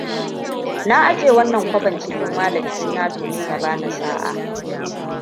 Na je wannan kwabon cikin walet dina domin ya bani sa'a.